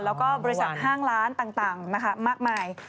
แล้วก็บริษัทห้างร้านต่างนะคะมากมาย